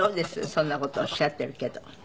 そんな事おっしゃってるけど。